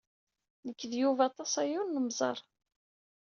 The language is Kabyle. Nekk d Yuba aṭas aya ur nemẓer.